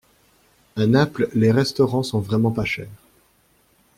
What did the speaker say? à Naples les restaurants sont vraiment pas chers.